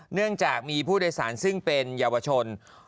เนื่องจากมีผู้โดยสารซึ่งเป็นเยาวชน